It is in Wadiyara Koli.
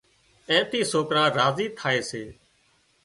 اين ٿي سوڪران راضي ٿائي سي